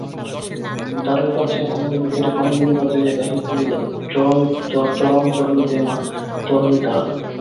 দ্বারের কাছে অন্ধ ভিখারি খঞ্জনি বাজাইয়া গাহিতেছিল, চরণতরণী দে মা, তারিণী তারা।